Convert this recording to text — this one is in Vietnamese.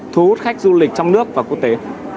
thu hút khách du lịch trong nước và quốc tế